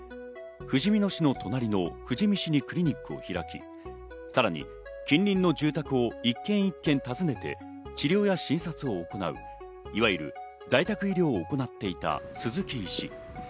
ふじみ野市の隣の富士見市にクリニックを開き、さらに近隣の住宅を一軒一軒、訪ねて治療や診察を行ういわゆる在宅医療を行っていた鈴木医師。